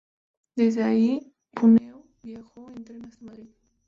Desde allí, Cúneo viajó en tren hasta Madrid.